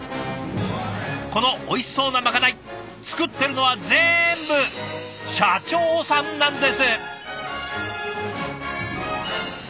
このおいしそうなまかない作ってるのは全部社長さんなんです。